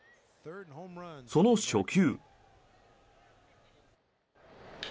その初球。